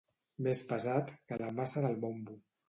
Més pesat que la maça del bombo